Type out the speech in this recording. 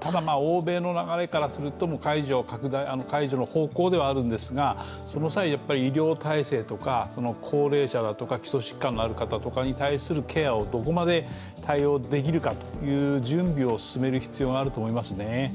ただ欧米の流れからすると解除の方向ではあるんですがその際に、医療体制とか高齢者だとか、基礎疾患のある方とかのケアをどこまで対応できるかという準備を進める必要があると思いますね。